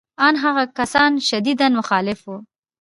ان هغه کسان شدیداً مخالف وو